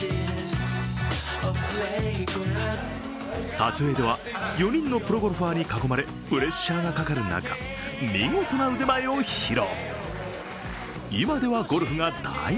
撮影では４人のプロゴルファーに囲まれプレッシャーがかかる中、見事な腕前を披露。